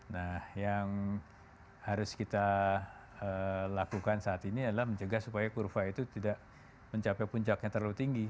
nah yang harus kita lakukan saat ini adalah mencegah supaya kurva itu tidak mencapai puncaknya terlalu tinggi